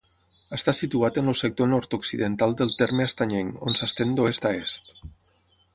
Està situat en el sector nord-occidental del terme estanyenc, on s'estén d'oest a est.